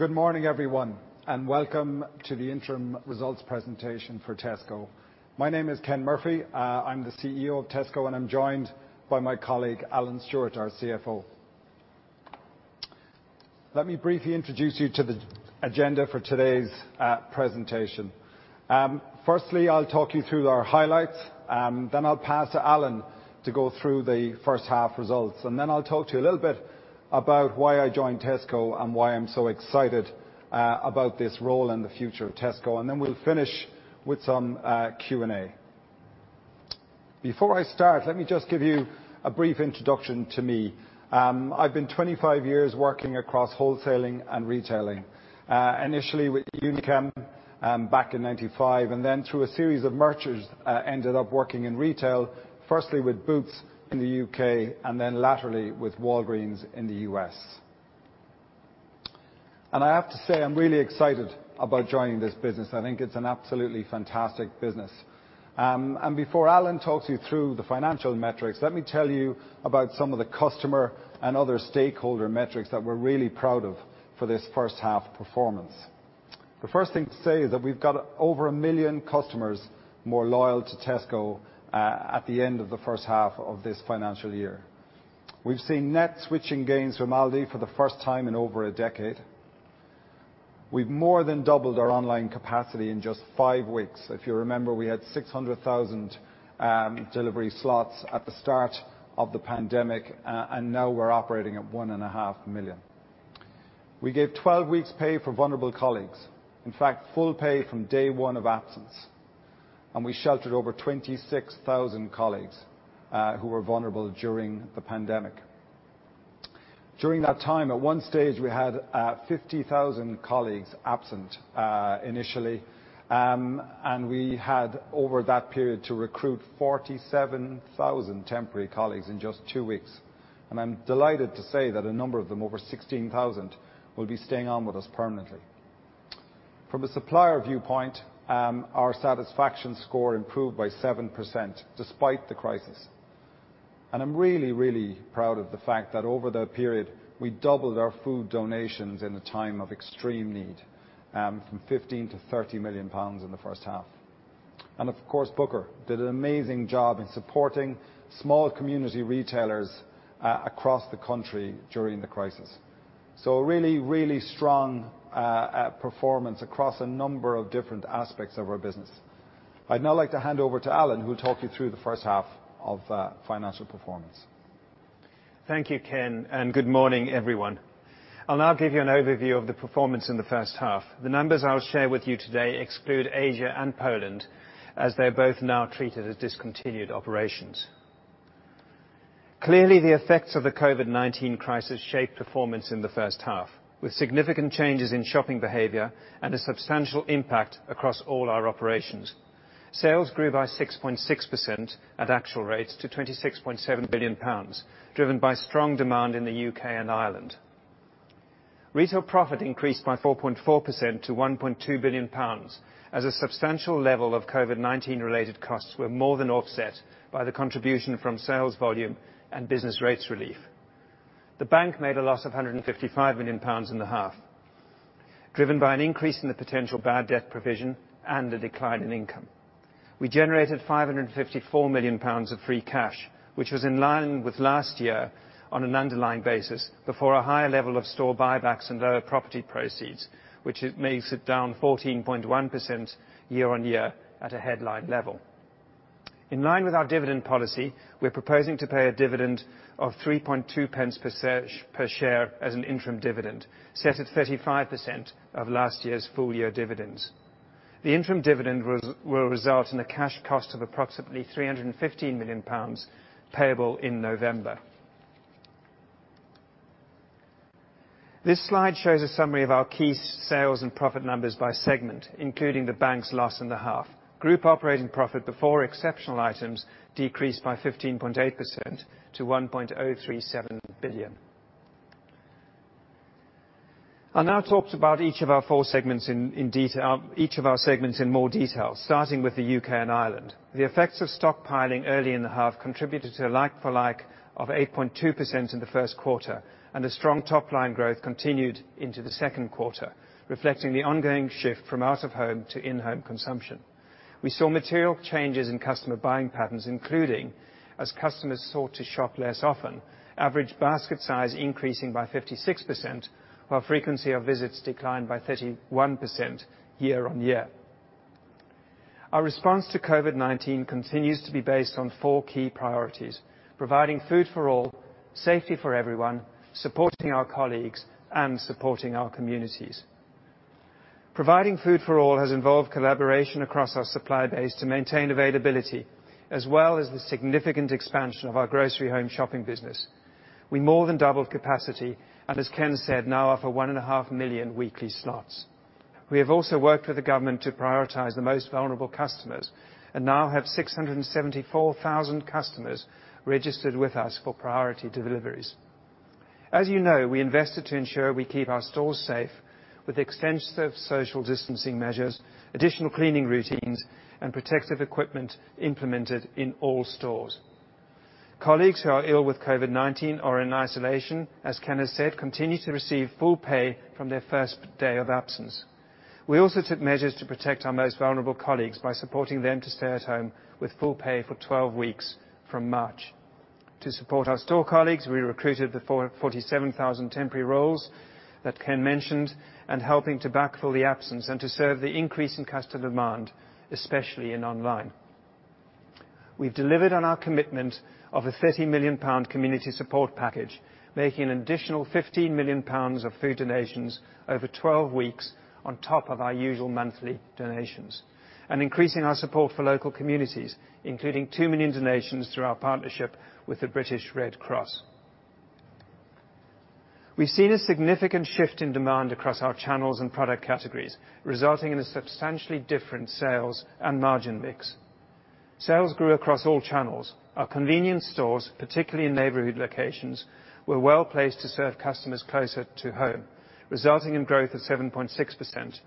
Good morning, everyone, and welcome to the interim results presentation for Tesco. My name is Ken Murphy. I'm the CEO of Tesco, and I'm joined by my colleague Alan Stewart, our CFO. Let me briefly introduce you to the agenda for today's presentation. Firstly, I'll talk you through our highlights. Then I'll pass to Alan to go through the first half results. Then I'll talk to you a little bit about why I joined Tesco and why I'm so excited about this role and the future of Tesco. We'll finish with some Q&A. Before I start, let me just give you a brief introduction to me. I've been 25 years working across wholesaling and retailing, initially with UniChem back in 1995, and then through a series of mergers, ended up working in retail, firstly with Boots in the U.K. and then laterally with Walgreens in the U.S. I have to say, I'm really excited about joining this business. I think it's an absolutely fantastic business. Before Alan talks you through the financial metrics, let me tell you about some of the customer and other stakeholder metrics that we're really proud of for this first half performance. The first thing to say is that we've got over 1 million customers more loyal to Tesco at the end of the first half of this financial year. We've seen net switching gains from Aldi for the first time in over a decade. We've more than doubled our online capacity in just five weeks. If you remember, we had 600,000 delivery slots at the start of the pandemic, and now we're operating at 1.5 million. We gave 12 weeks' pay for vulnerable colleagues, in fact, full pay from day one of absence. We sheltered over 26,000 colleagues who were vulnerable during the pandemic. During that time, at one stage, we had 50,000 colleagues absent initially, and we had over that period to recruit 47,000 temporary colleagues in just two weeks. I'm delighted to say that a number of them, over 16,000, will be staying on with us permanently. From a supplier viewpoint, our satisfaction score improved by 7% despite the crisis. I'm really, really proud of the fact that over that period, we doubled our food donations in a time of extreme need, from 15 million to 30 million pounds in the first half. Of course, Booker did an amazing job in supporting small community retailers across the country during the crisis. Really, really strong performance across a number of different aspects of our business. I'd now like to hand over to Alan, who'll talk you through the first half of financial performance. Thank you, Ken, and good morning, everyone. I'll now give you an overview of the performance in the first half. The numbers I'll share with you today exclude Asia and Poland, as they're both now treated as discontinued operations. Clearly, the effects of the COVID-19 crisis shaped performance in the first half, with significant changes in shopping behavior and a substantial impact across all our operations. Sales grew by 6.6% at actual rates to 26.7 billion pounds, driven by strong demand in the U.K. and Ireland. Retail profit increased by 4.4% to 1.2 billion pounds, as a substantial level of COVID-19-related costs were more than offset by the contribution from sales volume and business rates relief. The bank made a loss of 155 million pounds in the half, driven by an increase in the potential bad debt provision and a decline in income. We generated 554 million pounds of free cash, which was in line with last year on an underlying basis before a higher level of store buybacks and lower property proceeds, which makes it down 14.1% year on year at a headline level. In line with our dividend policy, we're proposing to pay a dividend of 3.2 pence per share as an interim dividend, set at 35% of last year's full year dividends. The interim dividend will result in a cash cost of approximately 315 million pounds payable in November. This slide shows a summary of our key sales and profit numbers by segment, including the bank's loss in the half. Group operating profit before exceptional items decreased by 15.8% to GBP 1.037 billion. I'll now talk about each of our four segments in detail, each of our segments in more detail, starting with the U.K. and Ireland. The effects of stockpiling early in the half contributed to a like-for-like of 8.2% in the first quarter, and a strong top-line growth continued into the second quarter, reflecting the ongoing shift from out-of-home to in-home consumption. We saw material changes in customer buying patterns, including as customers sought to shop less often, average basket size increasing by 56%, while frequency of visits declined by 31% year on year. Our response to COVID-19 continues to be based on four key priorities: providing food for all, safety for everyone, supporting our colleagues, and supporting our communities. Providing food for all has involved collaboration across our supply base to maintain availability, as well as the significant expansion of our grocery home shopping business. We more than doubled capacity, and as Ken said, now offer one and a half million weekly slots. We have also worked with the government to prioritize the most vulnerable customers and now have 674,000 customers registered with us for priority deliveries. As you know, we invested to ensure we keep our stores safe with extensive social distancing measures, additional cleaning routines, and protective equipment implemented in all stores. Colleagues who are ill with COVID-19 or in isolation, as Ken has said, continue to receive full pay from their first day of absence. We also took measures to protect our most vulnerable colleagues by supporting them to stay at home with full pay for 12 weeks from March. To support our store colleagues, we recruited the 47,000 temporary roles that Ken mentioned and helping to backfill the absence and to serve the increase in customer demand, especially in online. We've delivered on our commitment of a 30 million pound community support package, making an additional 15 million pounds of food donations over 12 weeks on top of our usual monthly donations and increasing our support for local communities, including 2 million donations through our partnership with the British Red Cross. We've seen a significant shift in demand across our channels and product categories, resulting in a substantially different sales and margin mix. Sales grew across all channels. Our convenience stores, particularly in neighborhood locations, were well placed to serve customers closer to home, resulting in growth of 7.6%.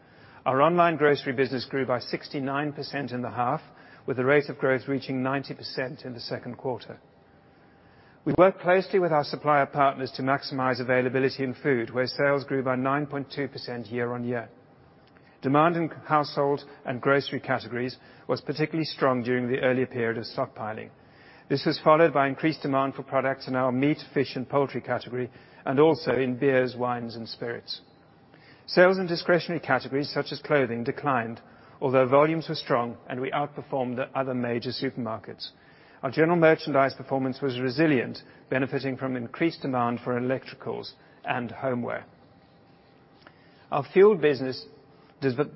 Our online grocery business grew by 69% in the half, with a rate of growth reaching 90% in the second quarter. We work closely with our supplier partners to maximize availability in food, where sales grew by 9.2% year on year. Demand in household and grocery categories was particularly strong during the earlier period of stockpiling. This was followed by increased demand for products in our meat, fish, and poultry category, and also in beers, wines, and spirits. Sales in discretionary categories such as clothing declined, although volumes were strong and we outperformed other major supermarkets. Our general merchandise performance was resilient, benefiting from increased demand for electricals and homeware. Our fuel business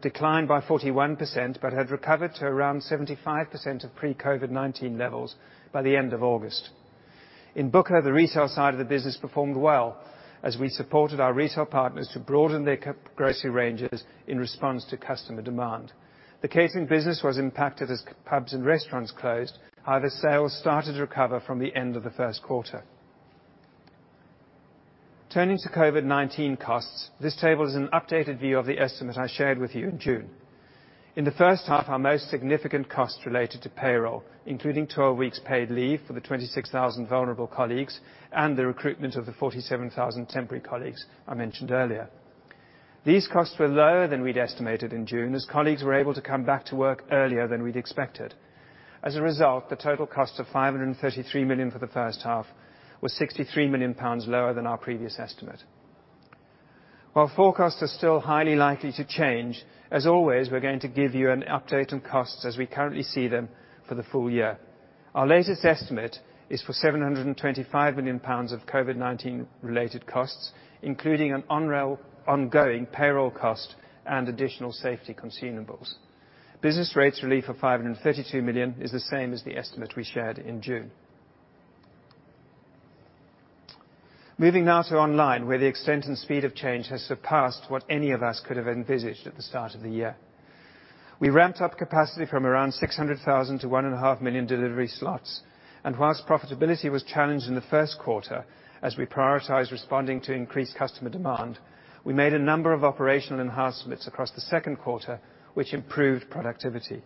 declined by 41% but had recovered to around 75% of pre-COVID-19 levels by the end of August. In Booker, the retail side of the business performed well as we supported our retail partners to broaden their grocery ranges in response to customer demand. The catering business was impacted as pubs and restaurants closed. However, sales started to recover from the end of the first quarter. Turning to COVID-19 costs, this table is an updated view of the estimate I shared with you in June. In the first half, our most significant costs related to payroll, including 12 weeks' paid leave for the 26,000 vulnerable colleagues and the recruitment of the 47,000 temporary colleagues I mentioned earlier. These costs were lower than we'd estimated in June as colleagues were able to come back to work earlier than we'd expected. As a result, the total cost of 533 million for the first half was 63 million pounds lower than our previous estimate. While forecasts are still highly likely to change, as always, we're going to give you an update on costs as we currently see them for the full year. Our latest estimate is for 725 million pounds of COVID-19-related costs, including an ongoing payroll cost and additional safety consumables. Business rates relief of 532 million is the same as the estimate we shared in June. Moving now to online, where the extent and speed of change has surpassed what any of us could have envisaged at the start of the year. We ramped up capacity from around 600,000 to 1.5 million delivery slots. Whilst profitability was challenged in the first quarter as we prioritized responding to increased customer demand, we made a number of operational enhancements across the second quarter, which improved productivity.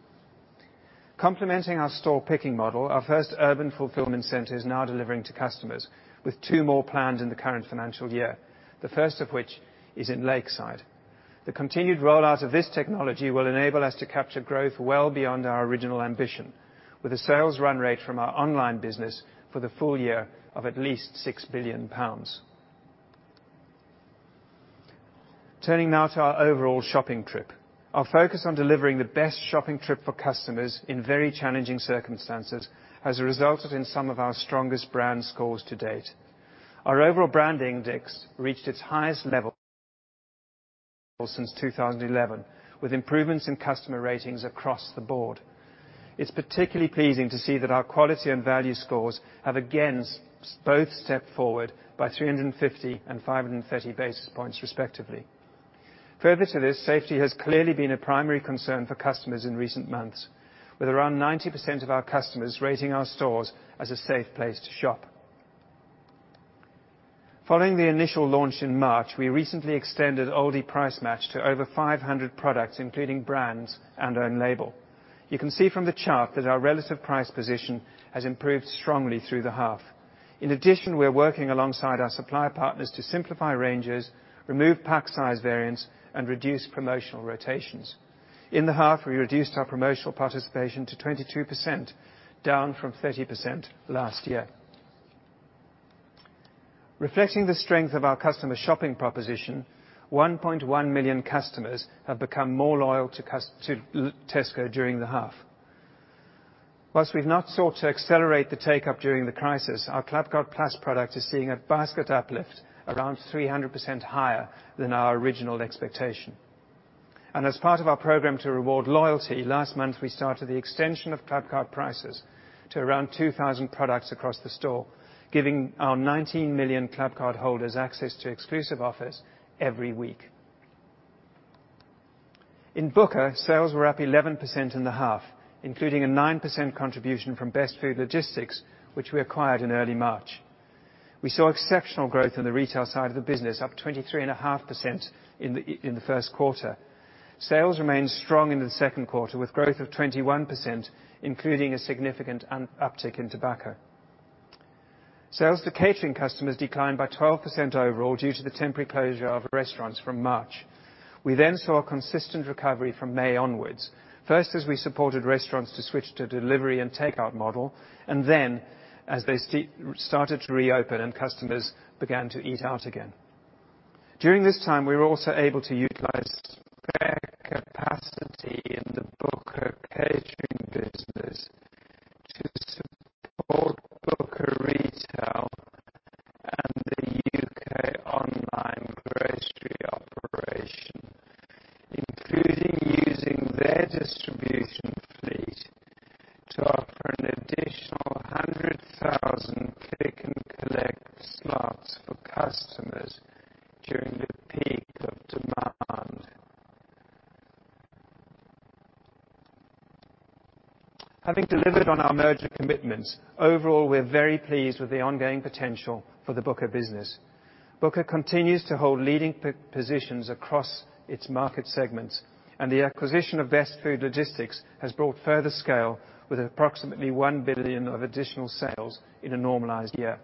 Complementing our store picking model, our first urban fulfillment center is now delivering to customers, with two more planned in the current financial year, the first of which is in Lakeside. The continued rollout of this technology will enable us to capture growth well beyond our original ambition, with a sales run rate from our online business for the full year of at least 6 billion pounds. Turning now to our overall shopping trip, our focus on delivering the best shopping trip for customers in very challenging circumstances has resulted in some of our strongest brand scores to date. Our overall brand index reached its highest level since 2011, with improvements in customer ratings across the board. It is particularly pleasing to see that our quality and value scores have again both stepped forward by 350 and 530 basis points, respectively. Further to this, safety has clearly been a primary concern for customers in recent months, with around 90% of our customers rating our stores as a safe place to shop. Following the initial launch in March, we recently extended Aldi Price Match to over 500 products, including brands and own label. You can see from the chart that our relative price position has improved strongly through the half. In addition, we're working alongside our supplier partners to simplify ranges, remove pack size variants, and reduce promotional rotations. In the half, we reduced our promotional participation to 22%, down from 30% last year. Reflecting the strength of our customer shopping proposition, 1.1 million customers have become more loyal to Tesco during the half. Whilst we've not sought to accelerate the take-up during the crisis, our Clubcard Plus product is seeing a basket uplift around 300% higher than our original expectation. As part of our program to reward loyalty, last month we started the extension of Clubcard Prices to around 2,000 products across the store, giving our 19 million Clubcard holders access to exclusive offers every week. In Booker, sales were up 11% in the half, including a 9% contribution from Best Food Logistics, which we acquired in early March. We saw exceptional growth in the retail side of the business, up 23.5% in the first quarter. Sales remained strong in the second quarter with growth of 21%, including a significant uptick in tobacco. Sales to catering customers declined by 12% overall due to the temporary closure of restaurants from March. We then saw a consistent recovery from May onwards, first as we supported restaurants to switch to a delivery and take-out model, and then as they started to reopen and customers began to eat out again. During this time, we were also able to utilize capacity in the Booker catering business to support Booker retail and the U.K. online grocery operation, including using their distribution fleet to offer an additional 100,000 pick-and-collect slots for customers during the peak of demand. Having delivered on our merger commitments, overall, we're very pleased with the ongoing potential for the Booker business. Booker continues to hold leading positions across its market segments, and the acquisition of Best Food Logistics has brought further scale with approximately 1 billion of additional sales in a normalized year.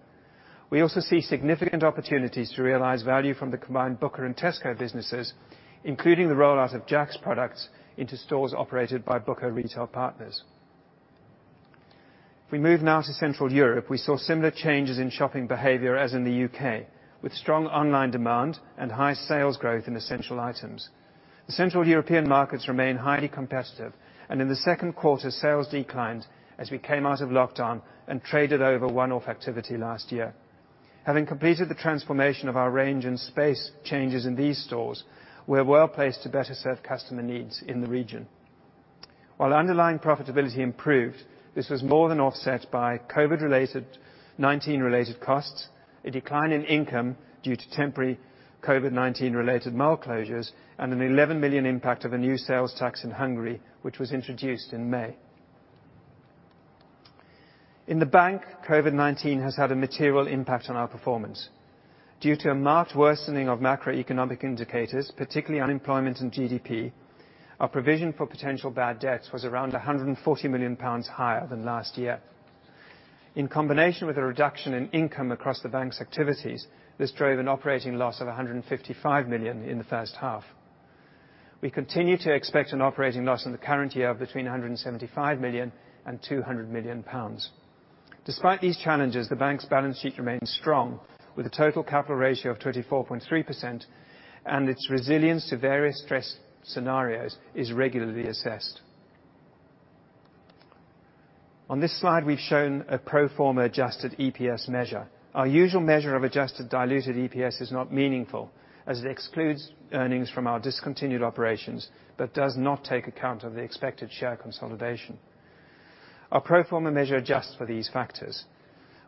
We also see significant opportunities to realize value from the combined Booker and Tesco businesses, including the rollout of Jack's products into stores operated by Booker retail partners. If we move now to Central Europe, we saw similar changes in shopping behavior as in the U.K., with strong online demand and high sales growth in essential items. The Central European markets remain highly competitive, and in the second quarter, sales declined as we came out of lockdown and traded over one-off activity last year. Having completed the transformation of our range and space changes in these stores, we're well placed to better serve customer needs in the region. While underlying profitability improved, this was more than offset by COVID-19-related costs, a decline in income due to temporary COVID-19-related mall closures, and an 11 million impact of a new sales tax in Hungary, which was introduced in May. In the bank, COVID-19 has had a material impact on our performance. Due to a marked worsening of macroeconomic indicators, particularly unemployment and GDP, our provision for potential bad debts was around 140 million pounds higher than last year. In combination with a reduction in income across the bank's activities, this drove an operating loss of 155 million in the first half. We continue to expect an operating loss in the current year of between 175 million and 200 million pounds. Despite these challenges, the bank's balance sheet remains strong, with a total capital ratio of 24.3%, and its resilience to various stress scenarios is regularly assessed. On this slide, we've shown a pro forma adjusted EPS measure. Our usual measure of adjusted diluted EPS is not meaningful as it excludes earnings from our discontinued operations but does not take account of the expected share consolidation. Our pro forma measure adjusts for these factors.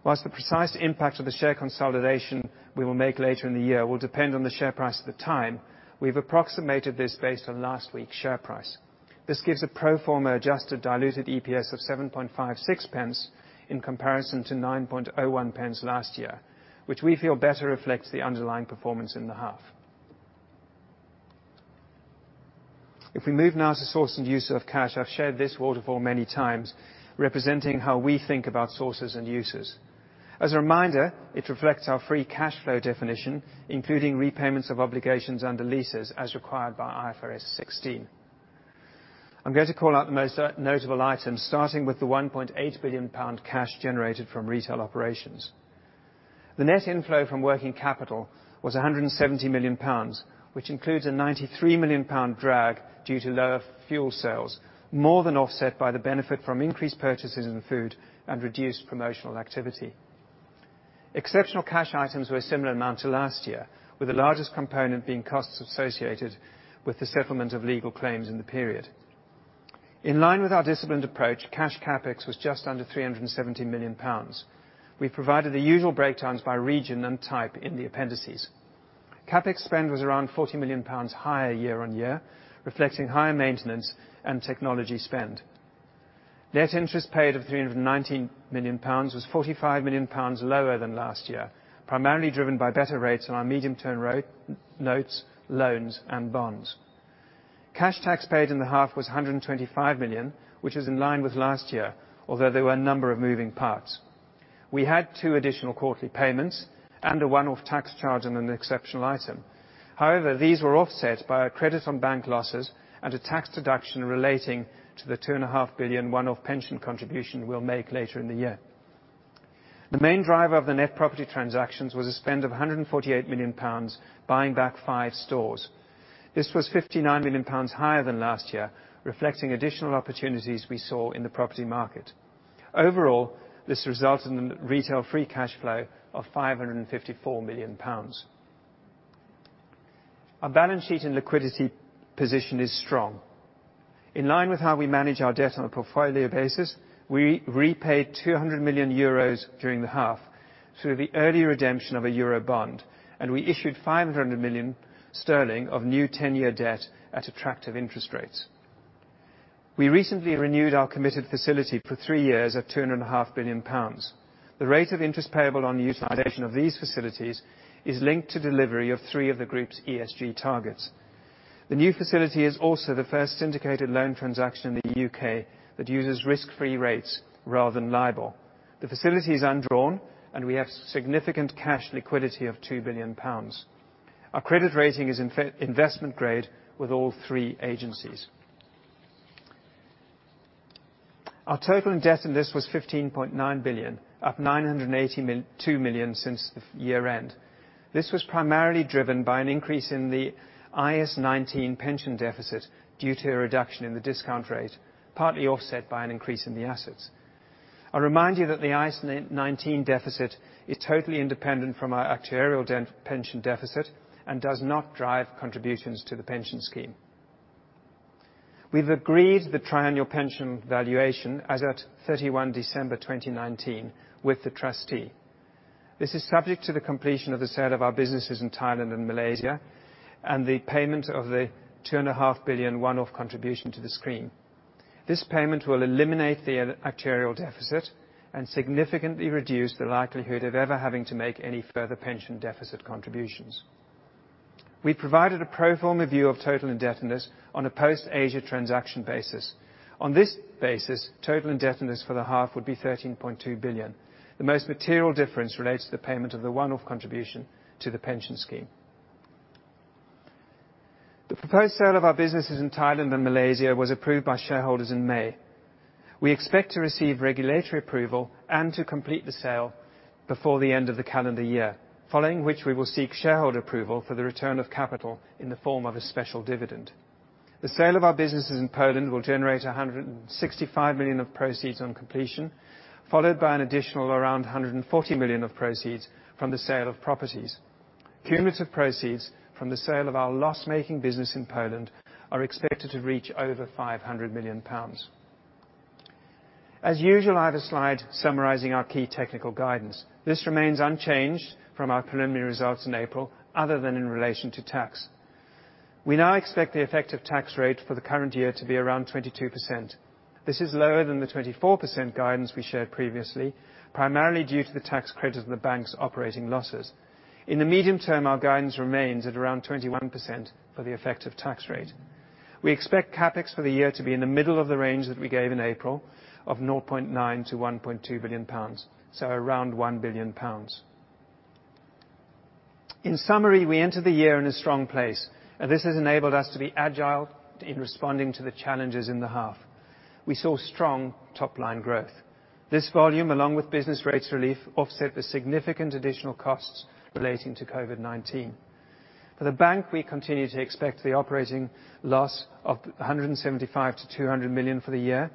Whilst the precise impact of the share consolidation we will make later in the year will depend on the share price at the time, we've approximated this based on last week's share price. This gives a pro forma adjusted diluted EPS of 7.56 pence in comparison to 9.01 pence last year, which we feel better reflects the underlying performance in the half. If we move now to source and use of cash, I've shared this waterfall many times, representing how we think about sources and uses. As a reminder, it reflects our free cash flow definition, including repayments of obligations under leases as required by IFRS 16. I'm going to call out the most notable items, starting with the 1.8 billion pound cash generated from retail operations. The net inflow from working capital was 170 million pounds, which includes a 93 million pound drag due to lower fuel sales, more than offset by the benefit from increased purchases in food and reduced promotional activity. Exceptional cash items were a similar amount to last year, with the largest component being costs associated with the settlement of legal claims in the period. In line with our disciplined approach, cash CapEx was just under 370 million pounds. We provided the usual breakdowns by region and type in the appendices. CapEx spend was around 40 million pounds higher year on year, reflecting higher maintenance and technology spend. Net interest paid of 319 million pounds was 45 million pounds lower than last year, primarily driven by better rates on our medium-term notes, loans, and bonds. Cash tax paid in the half was 125 million, which is in line with last year, although there were a number of moving parts. We had two additional quarterly payments and a one-off tax charge on an exceptional item. However, these were offset by a credit on bank losses and a tax deduction relating to the 2.5 billion one-off pension contribution we'll make later in the year. The main driver of the net property transactions was a spend of 148 million pounds buying back five stores. This was 59 million pounds higher than last year, reflecting additional opportunities we saw in the property market. Overall, this resulted in a retail free cash flow of 554 million pounds. Our balance sheet and liquidity position is strong. In line with how we manage our debt on a portfolio basis, we repaid 200 million euros during the half through the early redemption of a euro bond, and we issued 500 million sterling of new 10-year debt at attractive interest rates. We recently renewed our committed facility for three years at 2.5 billion pounds. The rate of interest payable on utilization of these facilities is linked to delivery of three of the group's ESG targets. The new facility is also the first syndicated loan transaction in the U.K. that uses risk-free rates rather than LIBOR. The facility is undrawn, and we have significant cash liquidity of 2 billion pounds. Our credit rating is investment grade with all three agencies. Our total in debt in this was 15.9 billion, up 982 million since the year-end. This was primarily driven by an increase in the IAS 19 pension deficit due to a reduction in the discount rate, partly offset by an increase in the assets. I'll remind you that the IAS 19 deficit is totally independent from our actuarial pension deficit and does not drive contributions to the pension scheme. We've agreed the tri-annual pension valuation as of 31 December 2019 with the trustee. This is subject to the completion of the sale of our businesses in Thailand and Malaysia and the payment of the 2.5 billion one-off contribution to the scheme. This payment will eliminate the actuarial deficit and significantly reduce the likelihood of ever having to make any further pension deficit contributions. We provided a pro forma view of total indebtedness on a post-Asia transaction basis. On this basis, total indebtedness for the half would be 13.2 billion. The most material difference relates to the payment of the one-off contribution to the pension scheme. The proposed sale of our businesses in Thailand and Malaysia was approved by shareholders in May. We expect to receive regulatory approval and to complete the sale before the end of the calendar year, following which we will seek shareholder approval for the return of capital in the form of a special dividend. The sale of our businesses in Poland will generate 165 million of proceeds on completion, followed by an additional around 140 million of proceeds from the sale of properties. Cumulative proceeds from the sale of our loss-making business in Poland are expected to reach over 500 million pounds. As usual, I have a slide summarizing our key technical guidance. This remains unchanged from our preliminary results in April, other than in relation to tax. We now expect the effective tax rate for the current year to be around 22%. This is lower than the 24% guidance we shared previously, primarily due to the tax credit of the bank's operating losses. In the medium term, our guidance remains at around 21% for the effective tax rate. We expect CapEx for the year to be in the middle of the range that we gave in April of 0.9 billion-1.2 billion pounds, so around 1 billion pounds. In summary, we entered the year in a strong place, and this has enabled us to be agile in responding to the challenges in the half. We saw strong top-line growth. This volume, along with business rates relief, offset the significant additional costs relating to COVID-19. For the bank, we continue to expect the operating loss of 175 million-200 million for the year,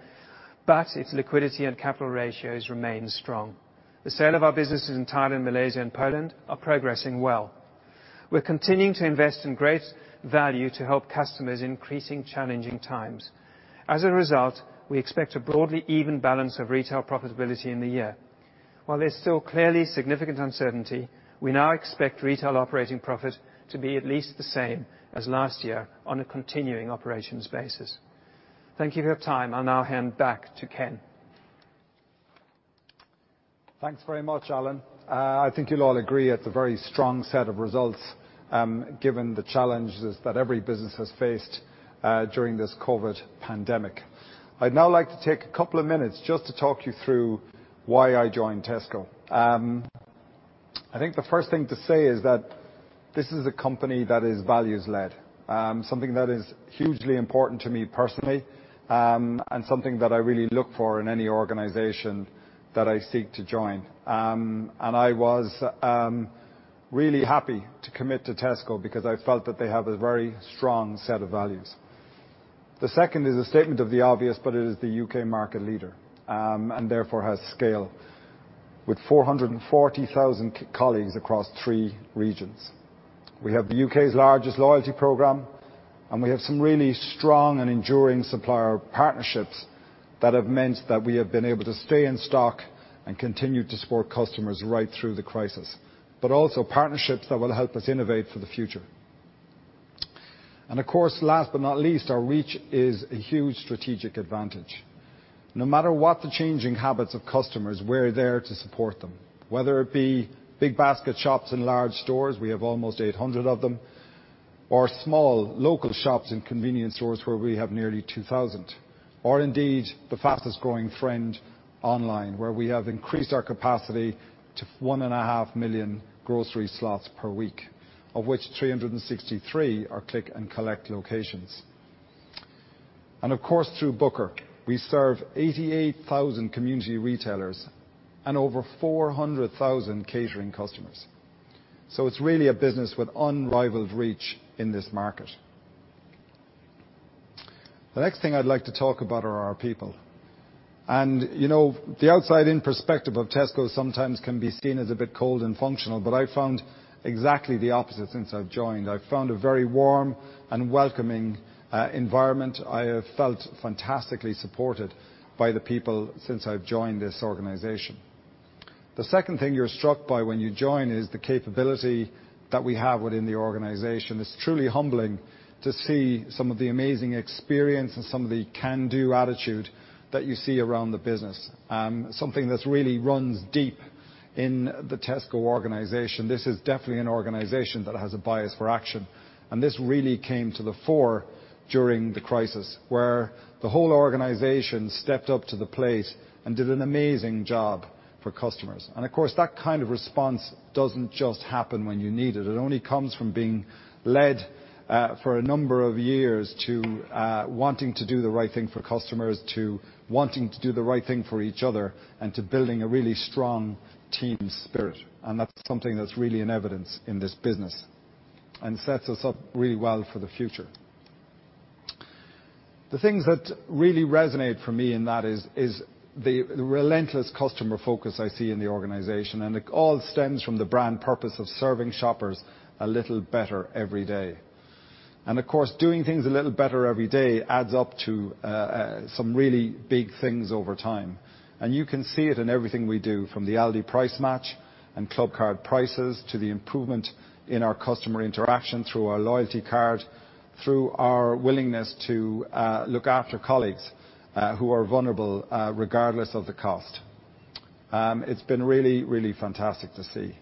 but its liquidity and capital ratios remain strong. The sale of our businesses in Thailand, Malaysia, and Poland are progressing well. We're continuing to invest in great value to help customers in increasing challenging times. As a result, we expect a broadly even balance of retail profitability in the year. While there's still clearly significant uncertainty, we now expect retail operating profit to be at least the same as last year on a continuing operations basis. Thank you for your time. I'll now hand back to Ken. Thanks very much, Alan. I think you'll all agree it's a very strong set of results given the challenges that every business has faced during this COVID-19 pandemic. I'd now like to take a couple of minutes just to talk you through why I joined Tesco. I think the first thing to say is that this is a company that is values-led, something that is hugely important to me personally and something that I really look for in any organization that I seek to join. I was really happy to commit to Tesco because I felt that they have a very strong set of values. The second is a statement of the obvious, but it is the U.K. market leader and therefore has scale with 440,000 colleagues across three regions. We have the U.K.'s largest loyalty program, and we have some really strong and enduring supplier partnerships that have meant that we have been able to stay in stock and continue to support customers right through the crisis, but also partnerships that will help us innovate for the future. Last but not least, our reach is a huge strategic advantage. No matter what the changing habits of customers, we're there to support them, whether it be big basket shops in large stores—we have almost 800 of them—or small local shops in convenience stores where we have nearly 2,000, or indeed the fastest-growing trend online where we have increased our capacity to 1.5 million grocery slots per week, of which 363 are click-and-collect locations. Through Booker, we serve 88,000 community retailers and over 400,000 catering customers. It's really a business with unrivaled reach in this market. The next thing I'd like to talk about are our people. The outside-in perspective of Tesco sometimes can be seen as a bit cold and functional, but I've found exactly the opposite since I've joined. I've found a very warm and welcoming environment. I have felt fantastically supported by the people since I've joined this organization. The second thing you're struck by when you join is the capability that we have within the organization. It's truly humbling to see some of the amazing experience and some of the can-do attitude that you see around the business, something that really runs deep in the Tesco organization. This is definitely an organization that has a bias for action, and this really came to the fore during the crisis where the whole organization stepped up to the plate and did an amazing job for customers. That kind of response does not just happen when you need it. It only comes from being led for a number of years to wanting to do the right thing for customers, to wanting to do the right thing for each other, and to building a really strong team spirit. That is something that is really in evidence in this business and sets us up really well for the future. The things that really resonate for me in that is the relentless customer focus I see in the organization, and it all stems from the brand purpose of serving shoppers a little better every day. Of course, doing things a little better every day adds up to some really big things over time. You can see it in everything we do, from the Aldi Price Match and Clubcard Prices to the improvement in our customer interaction through our loyalty card, through our willingness to look after colleagues who are vulnerable regardless of the cost. It's been really, really fantastic to see.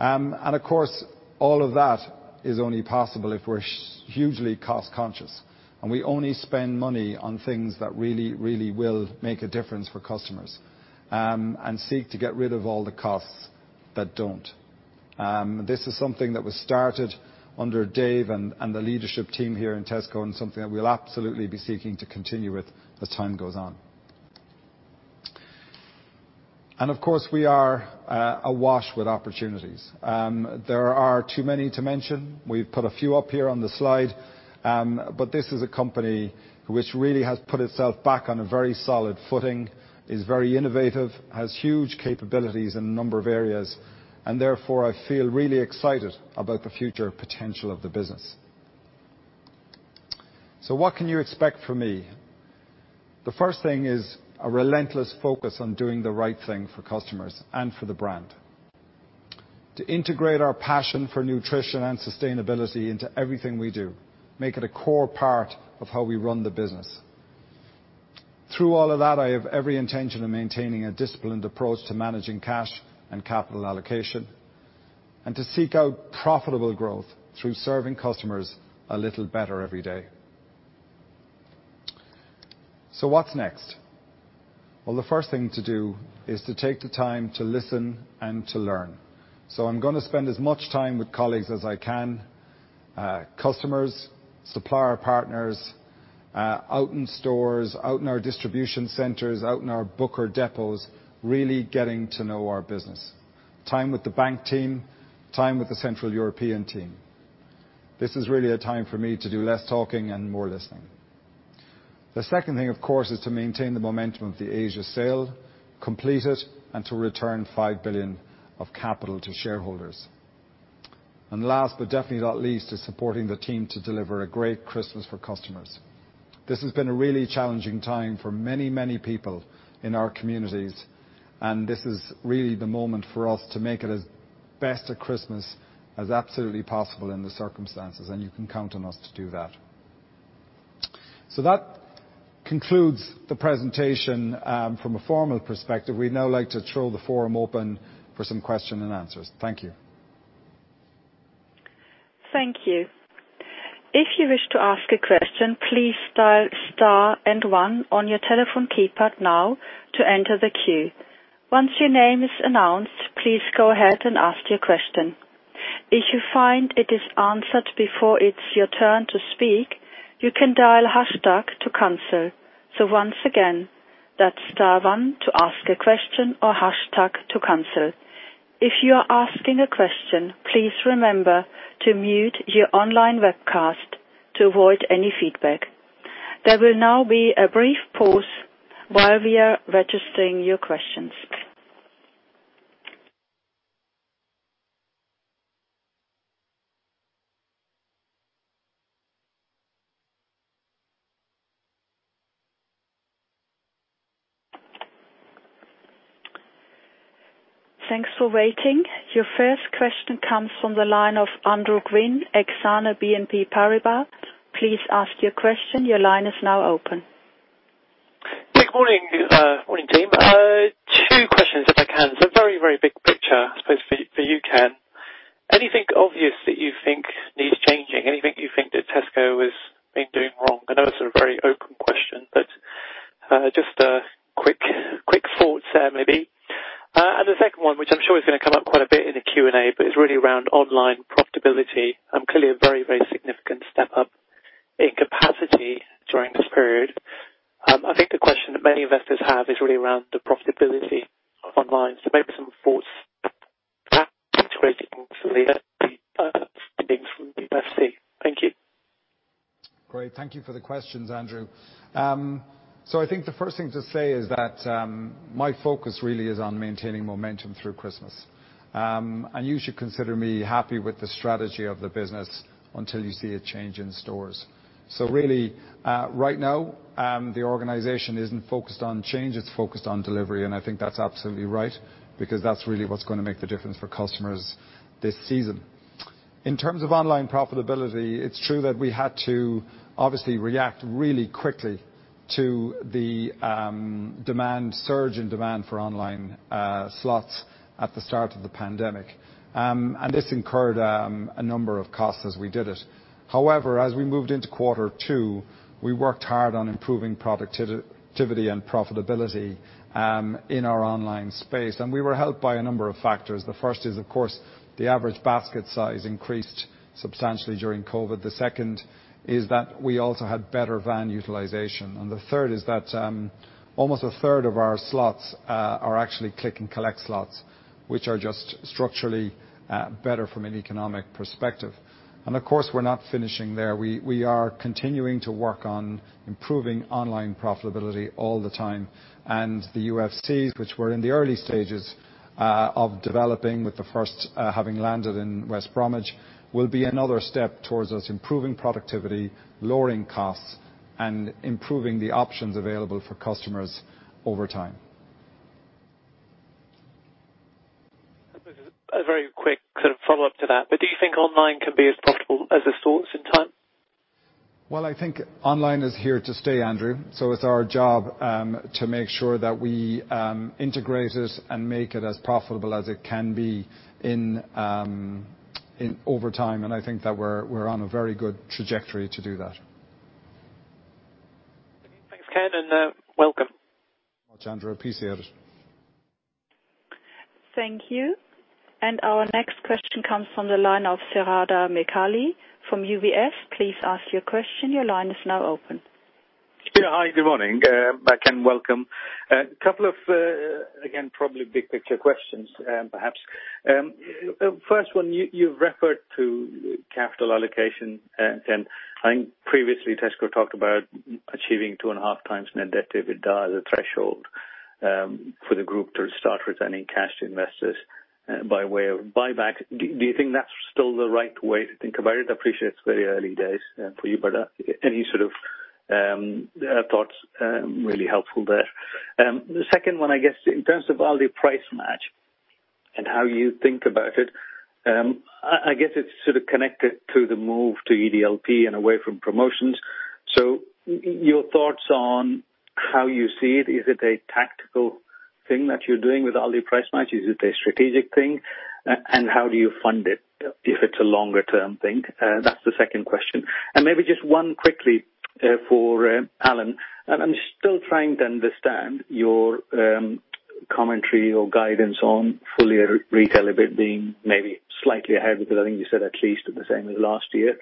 All of that is only possible if we're hugely cost-conscious, and we only spend money on things that really, really will make a difference for customers and seek to get rid of all the costs that don't. This is something that was started under Dave and the leadership team here in Tesco and something that we'll absolutely be seeking to continue with as time goes on. We are awash with opportunities. There are too many to mention. We've put a few up here on the slide, but this is a company which really has put itself back on a very solid footing, is very innovative, has huge capabilities in a number of areas, and therefore I feel really excited about the future potential of the business. What can you expect from me? The first thing is a relentless focus on doing the right thing for customers and for the brand, to integrate our passion for nutrition and sustainability into everything we do, make it a core part of how we run the business. Through all of that, I have every intention of maintaining a disciplined approach to managing cash and capital allocation and to seek out profitable growth through serving customers a little better every day. What's next? The first thing to do is to take the time to listen and to learn. I'm going to spend as much time with colleagues as I can, customers, supplier partners, out in stores, out in our distribution centers, out in our Booker depots, really getting to know our business, time with the bank team, time with the Central European team. This is really a time for me to do less talking and more listening. The second thing, of course, is to maintain the momentum of the Asia sale, complete it, and to return 5 billion of capital to shareholders. Last but definitely not least, is supporting the team to deliver a great Christmas for customers. This has been a really challenging time for many, many people in our communities, and this is really the moment for us to make it as best a Christmas as absolutely possible in the circumstances, and you can count on us to do that. That concludes the presentation. From a formal perspective, we'd now like to throw the forum open for some questions and answers. Thank you. Thank you. If you wish to ask a question, please star and 1 on your telephone keypad now to enter the queue. Once your name is announced, please go ahead and ask your question. If you find it is answered before it's your turn to speak, you can dial #toCancel. Once again, that's star 1 to ask a question or #toCancel. If you are asking a question, please remember to mute your online webcast to avoid any feedback. There will now be a brief pause while we are registering your questions. Thanks for waiting. Your first question comes from the line of Andrew Gwyn, Exane BNP Paribas. Please ask your question. Your line is now open. Good morning, morning team. Two questions, if I can. It's a very, very big picture, I suppose, for you, Ken. Anything obvious that you think needs changing? Anything you think that Tesco has been doing wrong? I know it's a very open question, but just a quick thought there, maybe. The second one, which I'm sure is going to come up quite a bit in the Q&A, but it's really around online profitability. Clearly, a very, very significant step up in capacity during this period. I think the question that many investors have is really around the profitability of online. Maybe some thoughts about integrating some of the things from the UFC. Thank you. Great. Thank you for the questions, Andrew. I think the first thing to say is that my focus really is on maintaining momentum through Christmas. You should consider me happy with the strategy of the business until you see a change in stores. Really, right now, the organization is not focused on change; it is focused on delivery. I think that is absolutely right because that is really what is going to make the difference for customers this season. In terms of online profitability, it is true that we had to obviously react really quickly to the surge in demand for online slots at the start of the pandemic. This incurred a number of costs as we did it. However, as we moved into quarter two, we worked hard on improving productivity and profitability in our online space. We were helped by a number of factors. The first is, of course, the average basket size increased substantially during COVID. The second is that we also had better van utilization. The third is that almost a third of our slots are actually click-and-collect slots, which are just structurally better from an economic perspective. Of course, we are not finishing there. We are continuing to work on improving online profitability all the time. The UFCs, which we are in the early stages of developing with the first having landed in West Bromwich, will be another step towards us improving productivity, lowering costs, and improving the options available for customers over time. A very quick sort of follow-up to that. Do you think online can be as profitable as the stores in time? I think online is here to stay, Andrew. It is our job to make sure that we integrate it and make it as profitable as it can be over time. I think that we are on a very good trajectory to do that. Thanks, Ken, and welcome. Thanks so much, Andrew. Appreciate it. Thank you. Our next question comes from the line of Sirada Mekhali from UBS. Please ask your question. Your line is now open. Yeah, hi, good morning. Ken, welcome. A couple of, again, probably big picture questions, perhaps. First one, you've referred to capital allocation, Ken. I think previously Tesco talked about achieving 2.5 times net debt EBITDA as a threshold for the group to start returning cash to investors by way of buybacks. Do you think that's still the right way to think about it? I appreciate it's very early days for you, but any sort of thoughts really helpful there. The second one, I guess, in terms of Aldi Price Match and how you think about it, I guess it's sort of connected to the move to EDLP and away from promotions. Your thoughts on how you see it? Is it a tactical thing that you're doing with Aldi Price Match? Is it a strategic thing? And how do you fund it if it's a longer-term thing? That's the second question. Maybe just one quickly for Alan. I'm still trying to understand your commentary or guidance on fully retail EBIT being maybe slightly ahead because I think you said at least the same as last year.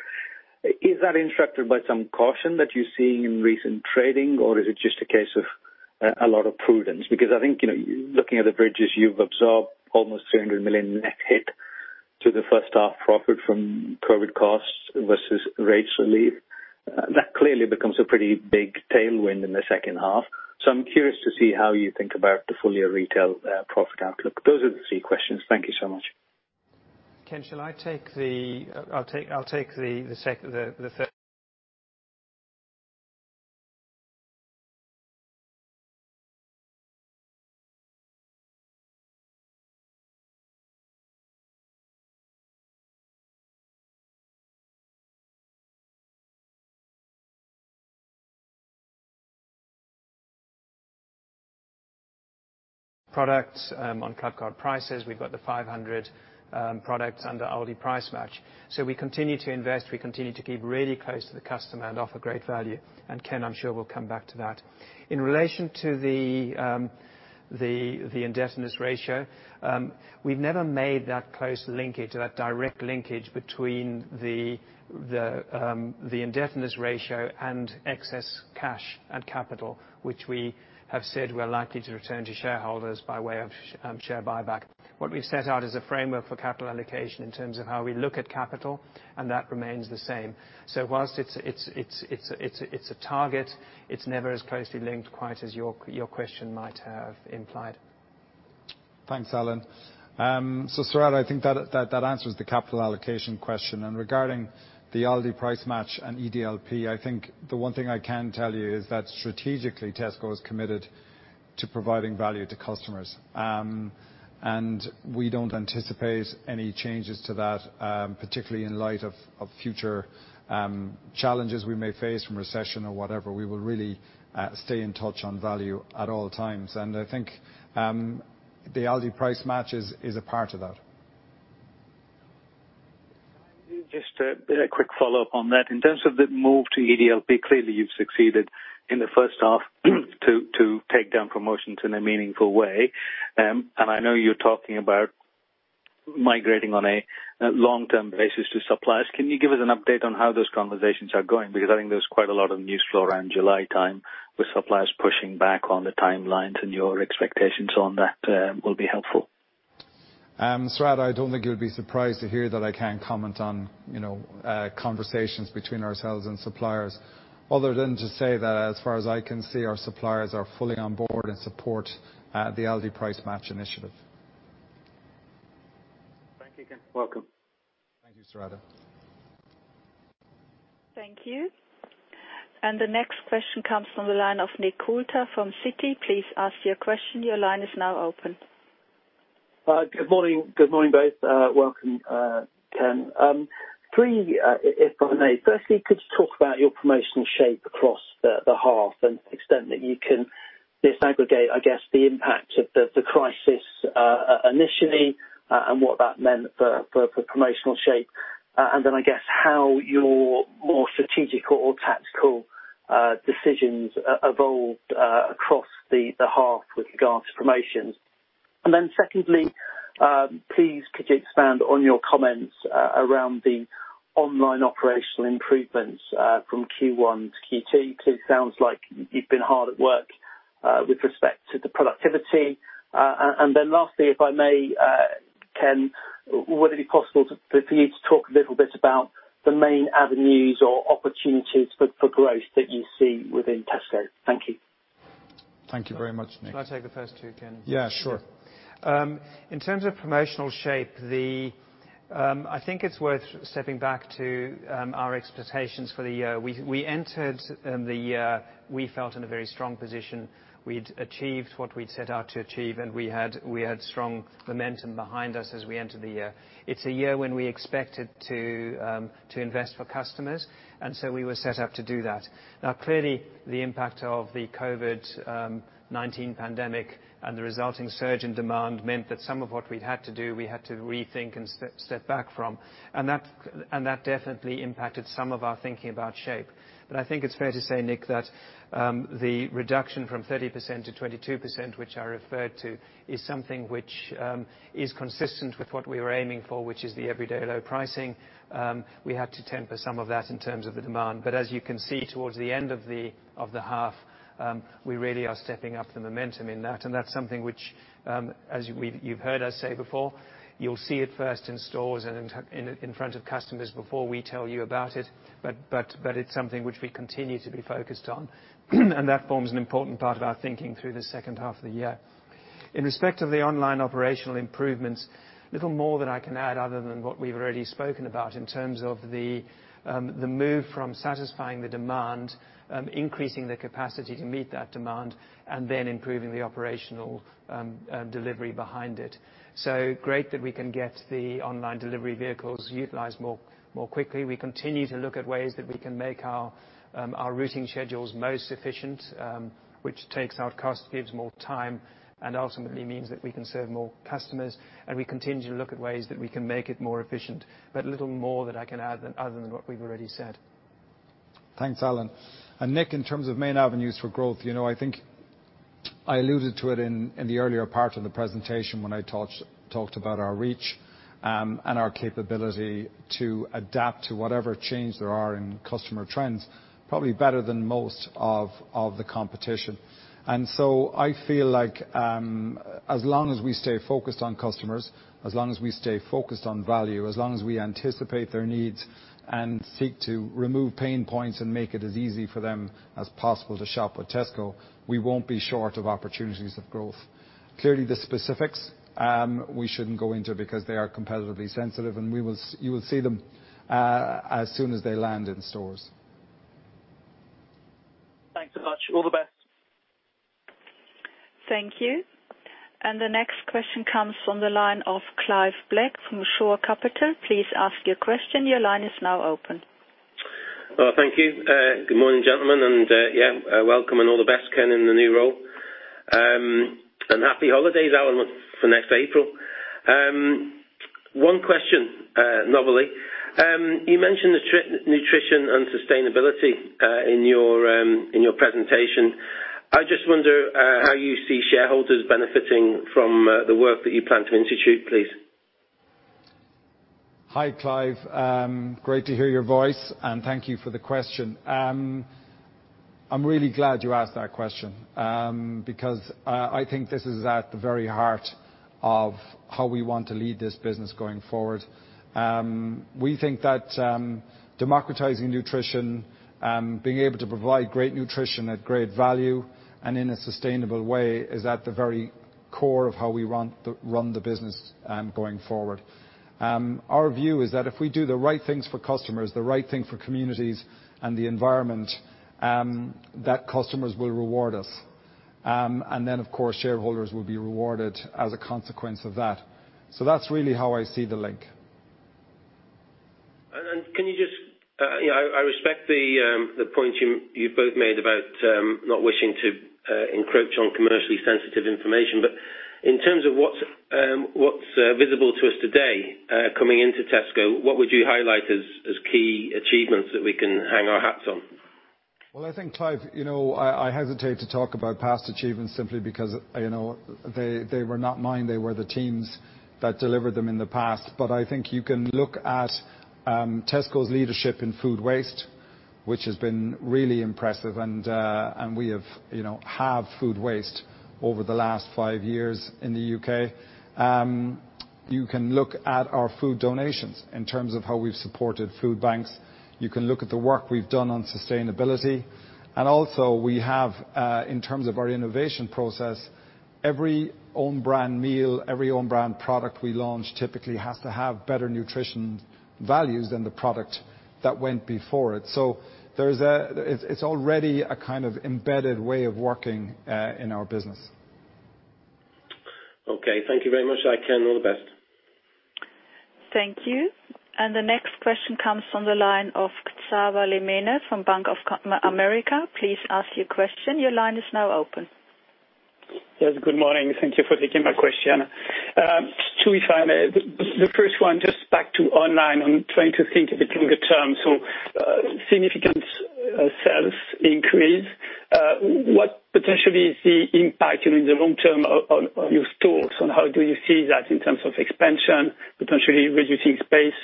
Is that instructed by some caution that you're seeing in recent trading, or is it just a case of a lot of prudence? I think looking at the bridges, you've absorbed almost 300 million net hit to the first half profit from COVID-19 costs versus rates relief. That clearly becomes a pretty big tailwind in the second half. I'm curious to see how you think about the fully retail profit outlook. Those are the three questions. Thank you so much. Ken, shall I take the I'll take the third. Products on Clubcard prices. We've got the 500 products under Aldi Price Match. We continue to invest. We continue to keep really close to the customer and offer great value. Ken, I'm sure we'll come back to that. In relation to the indebtedness ratio, we've never made that close linkage, that direct linkage between the indebtedness ratio and excess cash and capital, which we have said we're likely to return to shareholders by way of share buyback. What we've set out is a framework for capital allocation in terms of how we look at capital, and that remains the same. Whilst it's a target, it's never as closely linked quite as your question might have implied. Thanks, Alan. Sirada, I think that answers the capital allocation question. Regarding the Aldi Price Match and EDLP, I think the one thing I can tell you is that strategically, Tesco is committed to providing value to customers. We do not anticipate any changes to that, particularly in light of future challenges we may face from recession or whatever. We will really stay in touch on value at all times. I think the Aldi Price Match is a part of that. Just a quick follow-up on that. In terms of the move to EDLP, clearly you've succeeded in the first half to take down promotions in a meaningful way. I know you're talking about migrating on a long-term basis to suppliers. Can you give us an update on how those conversations are going? I think there's quite a lot of news flow around July time with suppliers pushing back on the timelines and your expectations on that will be helpful. Sirada, I don't think you'd be surprised to hear that I can't comment on conversations between ourselves and suppliers, other than to say that as far as I can see, our suppliers are fully on board and support the Aldi Price Match initiative. Thank you, Ken. Welcome. Thank you, Sirada. Thank you. The next question comes from the line of Nick Coulter from Citi. Please ask your question. Your line is now open. Good morning, both. Welcome, Ken. Three, if I may. Firstly, could you talk about your promotional shape across the half and the extent that you can disaggregate, I guess, the impact of the crisis initially and what that meant for promotional shape? I guess, how your more strategic or tactical decisions evolved across the half with regards to promotions? Secondly, please, could you expand on your comments around the online operational improvements from Q1 to Q2? It sounds like you've been hard at work with respect to the productivity. Lastly, if I may, Ken, would it be possible for you to talk a little bit about the main avenues or opportunities for growth that you see within Tesco? Thank you. Thank you very much, Nick. Can I take the first two, Ken? Yeah, sure. In terms of promotional shape, I think it's worth stepping back to our expectations for the year. We entered the year, we felt in a very strong position. We'd achieved what we'd set out to achieve, and we had strong momentum behind us as we entered the year. It's a year when we expected to invest for customers, and we were set up to do that. Now, clearly, the impact of the COVID-19 pandemic and the resulting surge in demand meant that some of what we'd had to do, we had to rethink and step back from. That definitely impacted some of our thinking about shape. I think it's fair to say, Nick, that the reduction from 30% to 22%, which I referred to, is something which is consistent with what we were aiming for, which is the everyday low pricing. We had to temper some of that in terms of the demand. As you can see, towards the end of the half, we really are stepping up the momentum in that. That's something which, as you've heard us say before, you'll see it first in stores and in front of customers before we tell you about it. It's something which we continue to be focused on. That forms an important part of our thinking through the second half of the year. In respect of the online operational improvements, little more that I can add other than what we've already spoken about in terms of the move from satisfying the demand, increasing the capacity to meet that demand, and then improving the operational delivery behind it. It is great that we can get the online delivery vehicles utilized more quickly. We continue to look at ways that we can make our routing schedules most efficient, which takes out costs, gives more time, and ultimately means that we can serve more customers. We continue to look at ways that we can make it more efficient. Little more that I can add other than what we've already said. Thanks, Alan. Nick, in terms of main avenues for growth, I think I alluded to it in the earlier part of the presentation when I talked about our reach and our capability to adapt to whatever change there are in customer trends, probably better than most of the competition. I feel like as long as we stay focused on customers, as long as we stay focused on value, as long as we anticipate their needs and seek to remove pain points and make it as easy for them as possible to shop with Tesco, we won't be short of opportunities of growth. Clearly, the specifics, we shouldn't go into because they are competitively sensitive, and you will see them as soon as they land in stores. Thanks so much. All the best. Thank you. The next question comes from the line of Clive Black from Shore Capital. Please ask your question. Your line is now open. Thank you. Good morning, gentlemen. Yeah, welcome and all the best, Ken, in the new role. Happy holidays, Alan, for next April. One question, nobly. You mentioned nutrition and sustainability in your presentation. I just wonder how you see shareholders benefiting from the work that you plan to institute, please. Hi, Clive. Great to hear your voice, and thank you for the question. I'm really glad you asked that question because I think this is at the very heart of how we want to lead this business going forward. We think that democratizing nutrition, being able to provide great nutrition at great value and in a sustainable way, is at the very core of how we run the business going forward. Our view is that if we do the right things for customers, the right thing for communities and the environment, that customers will reward us. Of course, shareholders will be rewarded as a consequence of that. That is really how I see the link. I respect the points you've both made about not wishing to encroach on commercially sensitive information. In terms of what's visible to us today coming into Tesco, what would you highlight as key achievements that we can hang our hats on? I think, Clive, I hesitate to talk about past achievements simply because they were not mine. They were the teams that delivered them in the past. I think you can look at Tesco's leadership in food waste, which has been really impressive. We have had food waste over the last five years in the U.K. You can look at our food donations in terms of how we've supported food banks. You can look at the work we've done on sustainability. Also, we have, in terms of our innovation process, every on-brand meal, every on-brand product we launch typically has to have better nutrition values than the product that went before it. It is already a kind of embedded way of working in our business. Okay. Thank you very much. Ken, all the best. Thank you. The next question comes from the line of Tsawwali Mena from Bank of America. Please ask your question. Your line is now open. Yes, good morning. Thank you for taking my question. To be fair, the first one, just back to online, I'm trying to think a bit longer term. Significant sales increase. What potentially is the impact in the long term on your stores? How do you see that in terms of expansion, potentially reducing space?